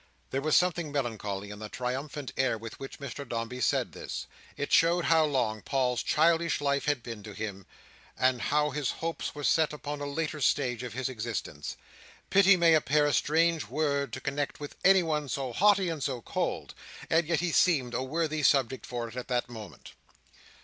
There was something melancholy in the triumphant air with which Mr Dombey said this. It showed how long Paul's childish life had been to him, and how his hopes were set upon a later stage of his existence. Pity may appear a strange word to connect with anyone so haughty and so cold, and yet he seemed a worthy subject for it at that moment.